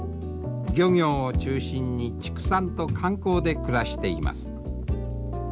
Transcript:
漁業を中心に畜産と観光で暮らしています。